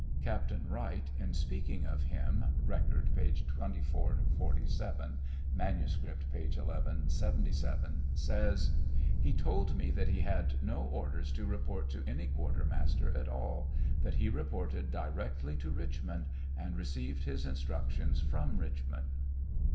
Captain Wright, in speakingof him (Record, p. 2447; manuscript, p. 1177,) says : He told me that he had no orders to report to any quartermaster at all ; that he reported directly to Richmond, and received his instructions from Richmond.